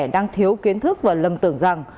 đang thiếu kiến thức và lầm tưởng rằng